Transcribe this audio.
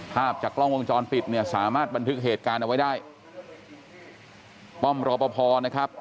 ภาพจากกล้องวงจรปิดเนี่ยสามารถบันทึกเหตุการณ์เอาไว้ได้ป้อมรอปภนะครับ